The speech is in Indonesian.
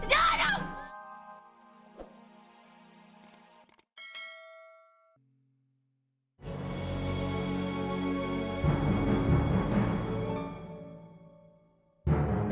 ih gak usah dipercaya